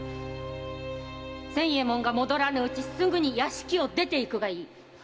〔仙右衛門が戻らぬうちすぐに屋敷を出て行くがいい〕